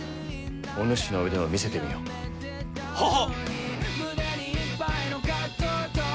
お主の腕を見せてみよ。ははっ！